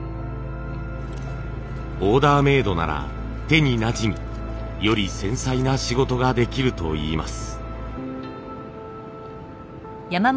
オーダーメードなら手になじみより繊細な仕事ができるといいます。